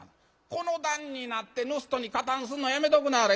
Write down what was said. この段になって盗人に加担すんのやめとくなはれ。